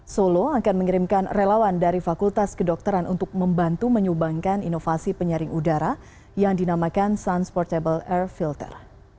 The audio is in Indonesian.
solo akan mengirimkan relawan dari fakultas kedokteran untuk membantu menyumbangkan inovasi penyaring udara yang dinamakan sunsportable air filter